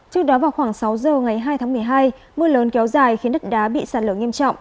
trước đó vào khoảng sáu giờ ngày hai tháng một mươi hai mưa lớn kéo dài khiến đất đá bị sạt lở nghiêm trọng